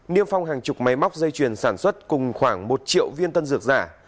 niêm phong hàng chục máy móc dây chuyền sản xuất cùng khoảng một triệu viên tân dược giả